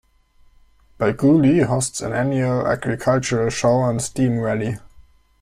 Belgooly hosts an annual "agricultural show" and "steam rally".